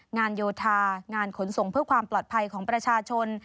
งานโยธางานขนส่งเพื่อความปลอดภัยของประชาชน